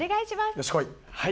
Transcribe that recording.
よし来い。